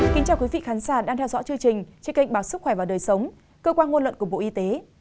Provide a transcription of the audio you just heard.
xin chào quý vị khán giả đang theo dõi chương trình trên kênh báo sức khỏe và đời sống cơ quan ngôn luận của bộ y tế